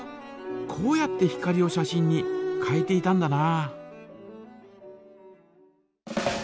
こうやって光を写真に変えていたんだな。